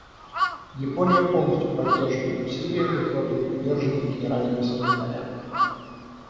Япония полностью поддерживает усилия и твердую приверженность Генерального секретаря.